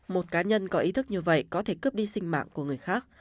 một cá nhân có ý thức như vậy có thể cướp đi sinh mạng của người khác